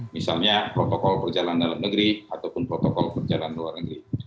misalnya protokol perjalanan dalam negeri ataupun protokol perjalanan luar negeri